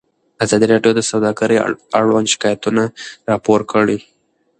ازادي راډیو د سوداګري اړوند شکایتونه راپور کړي.